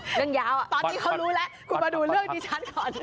เรื่องยาวอ่ะตอนนี้เขารู้แล้วคุณมาดูเรื่องดิฉันก่อน